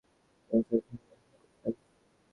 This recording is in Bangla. তিনি সবসময় উৎসাহিত করতেন।